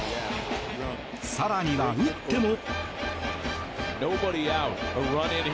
更には打っても。